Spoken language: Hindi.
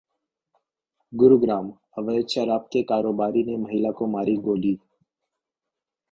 गुरुग्राम: अवैध शराब के कारोबारी ने महिला को मारी गोली